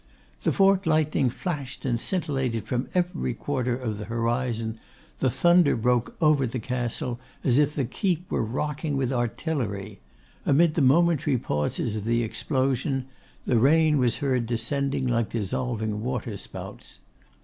The fork lightning flashed and scintillated from every quarter of the horizon: the thunder broke over the Castle, as if the keep were rocking with artillery: amid the momentary pauses of the explosion, the rain was heard descending like dissolving water spouts.